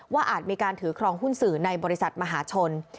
อาจมีการถือครองหุ้นสื่อในบริษัทมหาชน